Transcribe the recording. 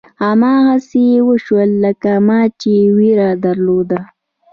هماغسې وشول لکه ما چې وېره درلوده.